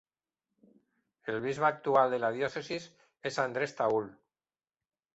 El bisbe actual de la diòcesi és Andres Taul.